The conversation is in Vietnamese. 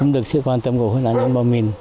ông đình dũng là một trong năm mươi nạn nhân bom mìn